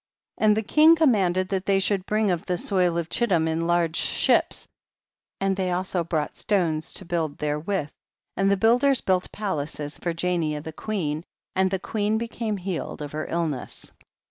22. And the king commanded that they should bring of the soil of Chit tim in large ships, and they also brought stones to build therewith, and the builders built palaces for Jania the queen, and the queen be came healed of her illness.